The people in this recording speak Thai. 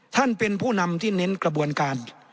ท่านเป็นผู้นำที่เน้นกระบวนการ